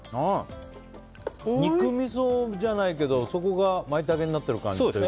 肉みそじゃないけどそこがマイタケになってる感じがする。